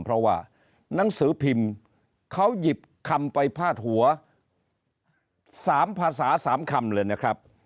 เพราะว่านังสือพิมพ์เขาหยิบคำไปพาดหัว๓ภาษา๓คำเลยนะครับ